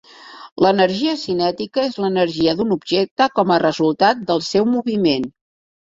L'energia cinètica és l'energia d'un objecte com a resultat del seu moviment.